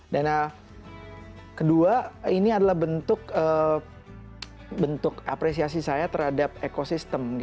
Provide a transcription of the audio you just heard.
dan kedua ini adalah bentuk apresiasi saya terhadap ekosistem